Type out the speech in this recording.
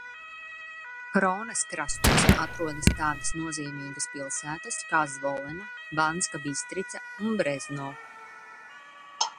Hronas krastos atrodas tādas nozīmīgas pilsētas kā Zvolena, Banska Bistrica un Brezno.